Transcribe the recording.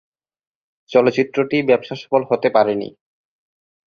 চলচ্চিত্রটি ব্যবসাসফল হতে পারে নি।